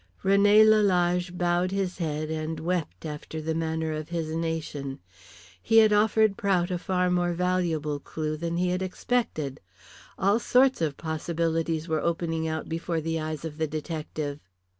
René Lalage bowed his head and wept after the manner of his nation. He had offered Prout a far more valuable clue than he had expected. All sorts of possibilities were opening out before the eyes of the detective.